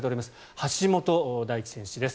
橋本大輝選手です。